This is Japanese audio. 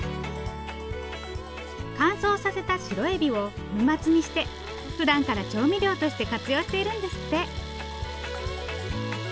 乾燥させたシロエビを粉末にしてふだんから調味料として活用しているんですって。